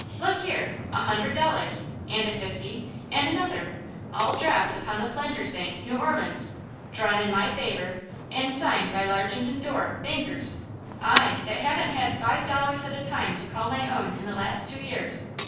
Look here!–a hundred dollars–and a fifty, and another–all drafts upon the Planters' Bank, New Orleans, drawn in my favor and signed by Largent & Dor, bankers!–I, that haven't had five dollars at a time to call my own in the last two years!